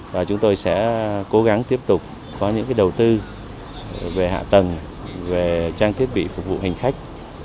và chúng tôi sẽ cố gắng tiếp tục có những đầu tư về hạ tầng về trang thiết bị phục vụ hành khách